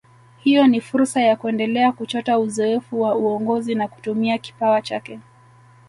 Hiyo ni fursa ya kuendelea kuchota uzoefu wa uongozi na kutumia kipawa chake